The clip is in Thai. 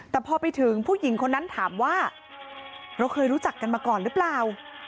แต่พอไปถึงผู้หญิงคนนั้นถามว่าเราเคยรู้จักกันมาก่อนหรือเปล่า